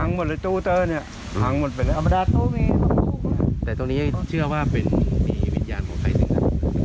หมดเลยตู้เตอร์เนี่ยพังหมดไปแล้วแต่ตรงนี้เชื่อว่าเป็นมีวิญญาณของใครทั้งนั้น